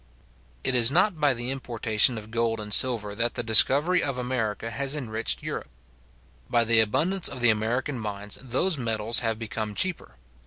It is not by the importation of gold and silver that the discovery of America has enriched Europe. By the abundance of the American mines, those metals have become cheaper.